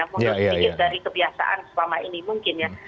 mungkin sedikit dari kebiasaan selama ini mungkin ya